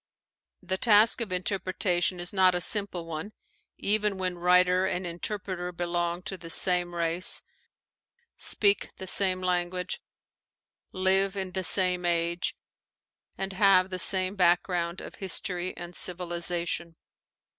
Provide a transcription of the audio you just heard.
The task of inter pretation is not a simple one, even when writer and inter preter belong to the same race, speak the same language, live in the same age, and have the same background of history and civilization.